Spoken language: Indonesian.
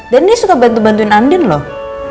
dan dia suka bantu bantuin andin loh